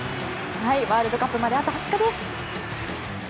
ワールドカップまであと２０日です。